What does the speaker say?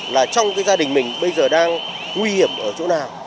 là trong gia đình mình bây giờ đang nguy hiểm ở chỗ nào